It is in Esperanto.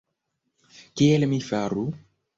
Kiel mi faru!